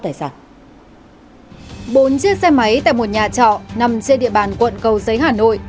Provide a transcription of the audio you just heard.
bốn chiếc xe máy tại một nhà trọ nằm trên địa bàn quận cầu giấy hà nội